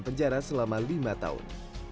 penjara selama lima tahun